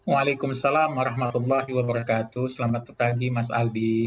waalaikumsalam warahmatullahi wabarakatuh selamat pagi mas aldi